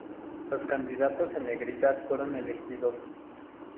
Los candidatos en negritas fueron elegidos.